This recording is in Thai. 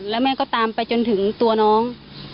แล้วแม่ก็ตามไปจนถึงตัวน้อง